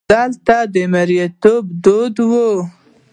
دلته مریتوب دود وو.